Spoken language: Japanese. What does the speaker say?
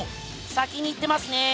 先に行ってますね。